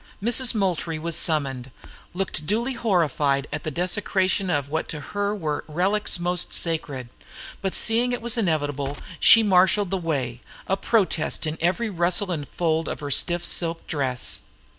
Mrs. Moultrie was summoned, looked duly horrified at the desecration of what to her were relics most sacred; but seeing it was inevitable, she marshaled the way, a protest in every rustle and fold of her stiff silk dress.